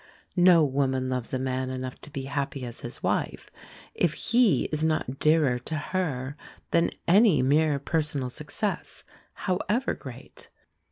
No woman loves a man enough to be happy as his wife, if he is not dearer to her than any mere personal success, however great.